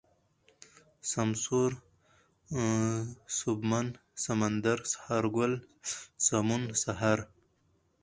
سمسور ، سوبمن ، سمندر ، سهارگل ، سمون ، سحر